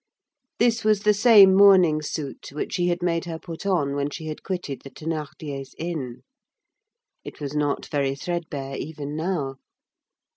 This was the same mourning suit which he had made her put on when she had quitted the Thénardiers' inn. It was not very threadbare even now.